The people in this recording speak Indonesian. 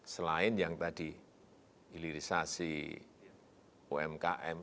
selain yang tadi hilirisasi umkm